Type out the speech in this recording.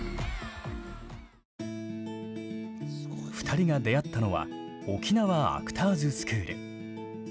２人が出会ったのは沖縄アクターズスクール。